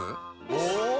お！